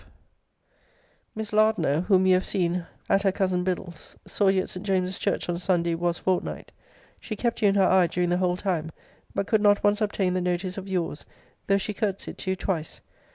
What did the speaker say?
of this volume. Miss Lardner* (whom you have seen hat her cousin Biddulph's) saw you at St. James's church on Sunday was fortnight. She kept you in her eye during the whole time; but could not once obtain the notice of your's, though she courtesied to you twice.